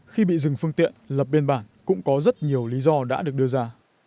khi bị dừng phương tiện lập biên bản cũng có rất nhiều lý do đã được đưa ra